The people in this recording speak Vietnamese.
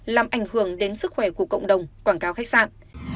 làm ảnh hưởng đến sức khỏe của cộng đồng quảng cáo khách sạn